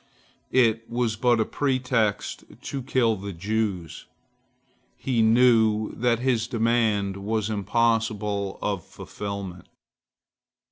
It was but a pretext to kill the Jews. He knew that his demand was impossible of fulfilment.